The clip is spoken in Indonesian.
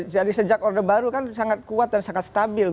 jadi sejak orde baru kan sangat kuat dan sangat stabil